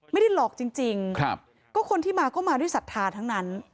ไม่ได้หลอกจริงก็คนที่มาก็มาด้วยศรัทธาทั้งนั้น